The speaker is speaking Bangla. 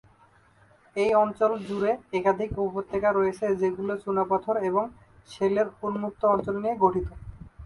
এই অঞ্চল জুড়ে একাধিক উপত্যকা রয়েছে যেগুলি চুনাপাথর এবং শেলের উন্মুক্ত অঞ্চল নিয়ে গঠিত।